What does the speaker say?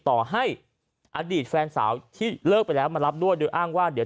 ต่อให้อดีตแฟนสาวที่เลิกไปแล้วมารับด้วยโดยอ้างว่าเดี๋ยว